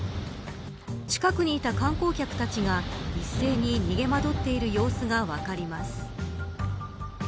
近くにいた観光客たちが一斉に逃げ惑っている様子が分かります。